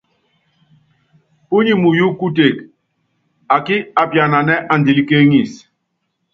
Púnyi muyú kuteke akí apiananɛ́ andilɛ́ kéeŋísi.